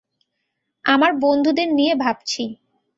আমার বন্ধুদের নিয়ে ভাবছি।